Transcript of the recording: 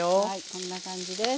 こんな感じです。